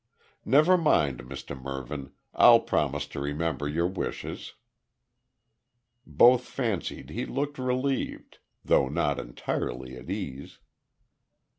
"Never mind, Mr Mervyn, I'll promise to remember your wishes." Both fancied he looked relieved, though not entirely at ease.